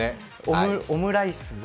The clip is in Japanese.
オムライス？